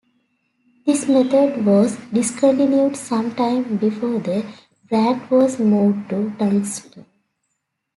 This method was discontinued sometime before the brand was moved to Dunston.